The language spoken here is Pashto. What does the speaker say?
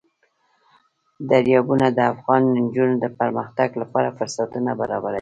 دریابونه د افغان نجونو د پرمختګ لپاره فرصتونه برابروي.